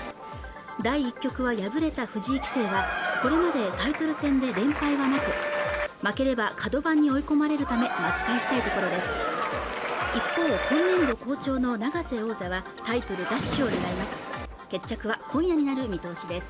第１局は敗れた藤井棋聖はこれまでタイトル戦で連敗はなく負ければかど番に追い込まれるため巻き返したいところです一方今年度好調の永瀬王座はタイトル奪取を狙います